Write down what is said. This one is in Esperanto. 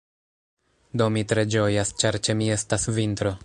Do, mi tre ĝojas ĉar ĉe mi estas vintro